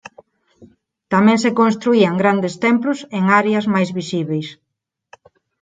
Tamén se construían grandes templos en áreas máis visíbeis.